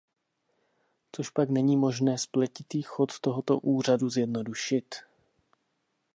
Cožpak není možné spletitý chod tohoto úřadu zjednodušit?